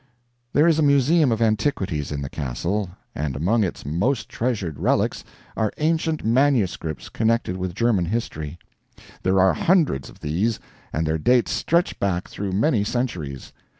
There is a museum of antiquities in the Castle, and among its most treasured relics are ancient manuscripts connected with German history. There are hundreds of these, and their dates stretch back through many centuries.